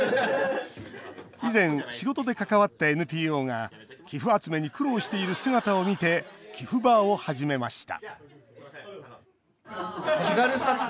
以前、仕事で関わったＮＰＯが寄付集めに苦労している姿を見てキフバーを始めました